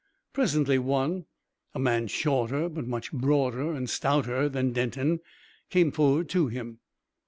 Presently one, a man shorter but much broader and stouter than Denton, came forward to him.